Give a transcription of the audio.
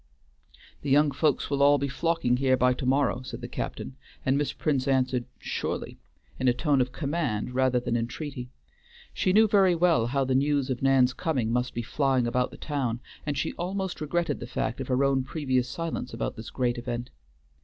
"The young folks will all be flocking here by to morrow," said the captain; and Miss Prince answered "Surely," in a tone of command, rather than entreaty. She knew very well how the news of Nan's coming must be flying about the town, and she almost regretted the fact of her own previous silence about this great event.